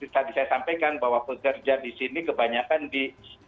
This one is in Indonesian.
tadi saya sampaikan bahwa pekerja di sini kebanyakan di